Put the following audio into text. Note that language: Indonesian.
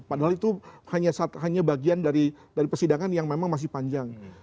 padahal itu hanya bagian dari persidangan yang memang masih panjang